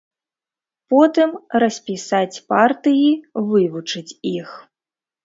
Потым распісаць партыі, вывучыць іх.